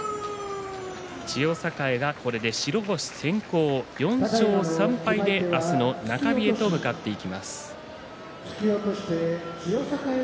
千代栄これで白星先行４勝３敗で明日の中日へと向かっていきます。